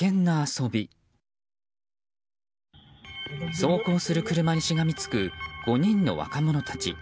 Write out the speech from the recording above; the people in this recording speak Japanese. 走行する車にしがみつく５人の若者たち。